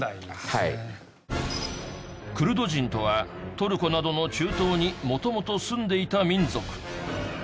クルド人とはトルコなどの中東に元々住んでいた民族。